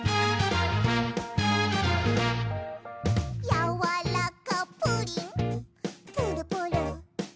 「やわらかプリンプルプルプルプル」